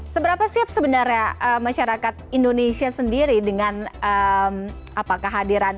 seberapa siap sebenarnya masyarakat indonesia sendiri dengan kehadiran